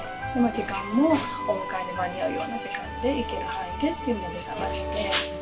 時間もお迎えに間に合うような時間でいける範囲でっていうので探して。